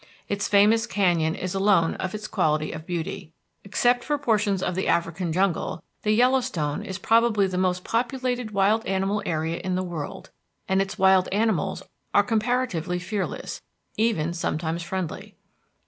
Its famous canyon is alone of its quality of beauty. Except for portions of the African jungle, the Yellowstone is probably the most populated wild animal area in the world, and its wild animals are comparatively fearless, even sometimes friendly.